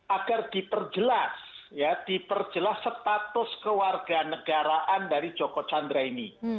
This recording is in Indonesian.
agar diperjelas ya diperjelas status kewarganegaraan dari joko chandra ini